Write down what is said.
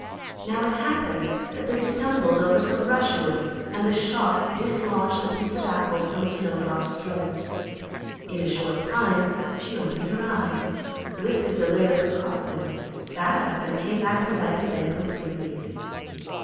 Now it happened that they stumbled over some brushwood, and the shock dislodged the piece of apple from Snowdrop's throat. In a short time she opened her eyes, lifted the lid of the coffin, sat up and came back to life again completely.